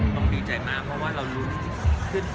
ต้องดีใจมากเพราะดีใจกว่าเรารู้